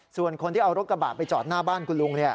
ส่วนคนที่เอารถกระบะไปจอดหน้าบ้านคุณลุง